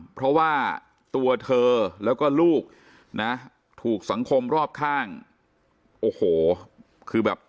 เพราะว่าตัวเธอแล้วก็ลูกนะถูกสังคมรอบข้างโอ้โหคือแบบ